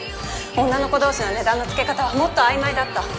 女の子同士の値段のつけ方はもっと曖昧だった。